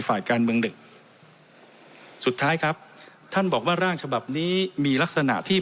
ฝ่ายการเมืองหนึ่งสุดท้ายครับท่านบอกว่าร่างฉบับนี้มีลักษณะที่